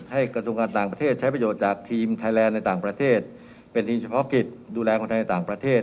กระทรวงการต่างประเทศใช้ประโยชน์จากทีมไทยแลนด์ในต่างประเทศเป็นทีมเฉพาะกิจดูแลคนไทยต่างประเทศ